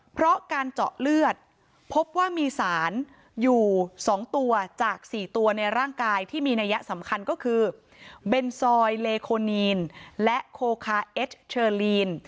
เพราะการเจาะเลือดพบว่ามีสารอยู่๒ตัวจาก๔ตัวในร่างกายที่มีนัยสำคัญก็คือเบนซอยเลโคนีนและโคคาเอสเชอลีน